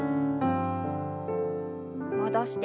戻して。